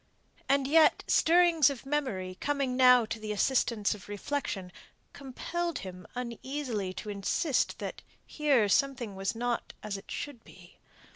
And yet, stirrings of memory coming now to the assistance of reflection, compelled him uneasily to insist that here something was not as it should be.